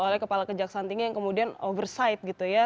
oleh kepala kejaksaan tinggi yang kemudian oversite gitu ya